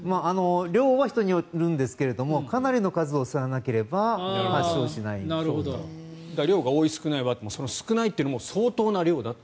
量は人によるんですがかなりの数を吸わなければ量が多い少ないはあっても少ないというのも相当な量だと。